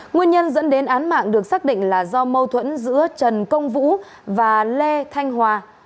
nguyên nhân dẫn đến án mạng được xác định là do mâu thuẫn giữa trần công vũ và lê thanh hòa